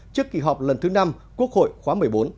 trước kỳ họp lần thứ năm quốc hội khóa một mươi bốn